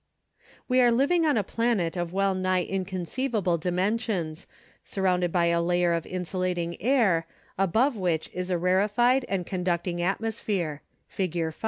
We are living on a planet of well nigh in conceivable dimensions, surrounded by a layer of insulating air above which is a rarefied and conducting atmosphere (Fig.